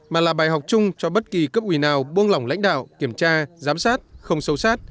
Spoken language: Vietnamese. mà là bài học chung cho bất kỳ cấp ủy nào buông lỏng lãnh đạo kiểm tra giám sát không sâu sát